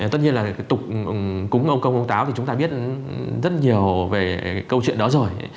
tất nhiên là cái tục cúng ông công ông táo thì chúng ta biết rất nhiều về câu chuyện đó rồi